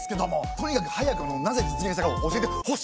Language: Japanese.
とにかく早くなぜ実現したかを教えてほしいんですよ！